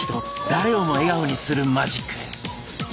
誰をも笑顔にするマジック！